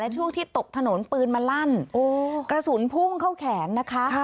ช่วงที่ตกถนนปืนมาลั่นกระสุนพุ่งเข้าแขนนะคะ